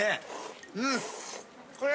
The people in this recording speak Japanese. うん！これ？